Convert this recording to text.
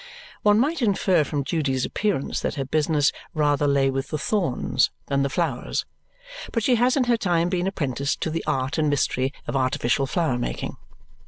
One might infer from Judy's appearance that her business rather lay with the thorns than the flowers, but she has in her time been apprenticed to the art and mystery of artificial flower making.